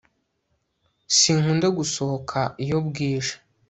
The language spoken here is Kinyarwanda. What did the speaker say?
Sinkunda gusohoka iyo bwije